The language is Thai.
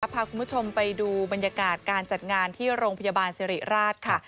พาคุณผู้ชมไปดูบรรยากาศการจัดงานที่โรงพยาบาลสิริราชค่ะ